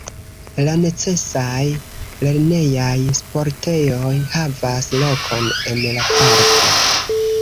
La necesaj lernejaj sportejoj havas lokon en la parko.